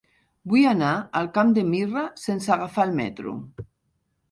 Vull anar al Camp de Mirra sense agafar el metro.